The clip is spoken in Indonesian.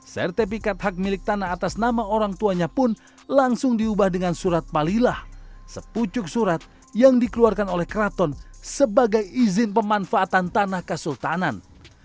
sertifikat hak milik tanah atas nama orang tuanya pun langsung diubah dengan surat palilah sepucuk surat yang dikeluarkan oleh keraton sebagai izin pemanfaatan tanah kasultanan